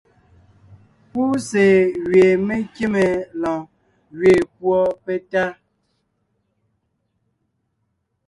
Púse gwie me kíme lɔɔn gẅeen púɔ petá.